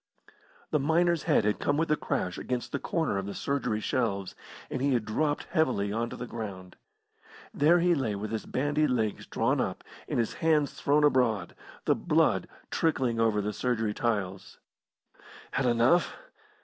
The miner's head had come with a crash against the corner of the surgery shelves, and he had dropped heavily on to the ground. There he lay with his bandy legs drawn up and his hands thrown abroad, the blood trickling over the surgery tiles. "Had enough?"